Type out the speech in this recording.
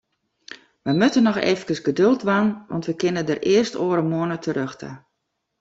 Wy moatte noch eefkes geduld dwaan, want we kinne dêr earst oare moanne terjochte.